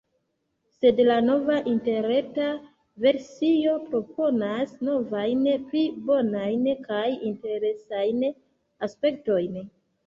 Sed la nova interreta versio proponas novajn pli bonajn kaj interesajn aspektojn.